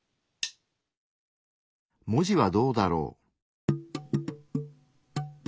文字はどうだろう？